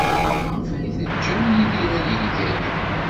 Maɣef ay teǧǧam Yidir ad yeg aya?